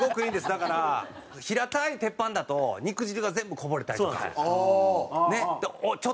だから平たい鉄板だと肉汁が全部こぼれたりとかちょっと重たいとか。